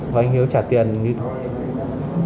và anh hữu trả tiền như thế nào